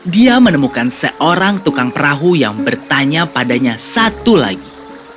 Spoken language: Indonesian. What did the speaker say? dia menemukan seorang tukang perahu yang bertanya padanya satu lagi